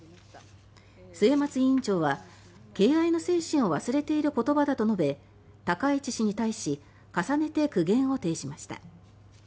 末松委員長は敬愛の精神を忘れている言葉だと述べ高市氏に対し重ねて苦言を呈しました。